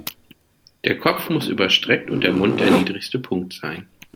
Der Kopf muss überstreckt und der Mund der niedrigste Punkt sein.